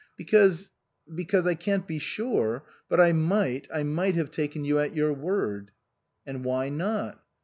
" Because because I can't be sure, but I might I might have taken you at your word." "And why not?"